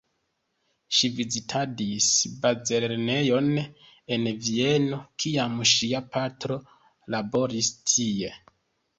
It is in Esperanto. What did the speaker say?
Ŝi vizitadis bazlernejon en Vieno, kiam ŝia patro laboris tie.